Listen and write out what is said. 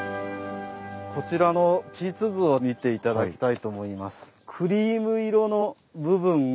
こちらの地質図を見て頂きたいと思います。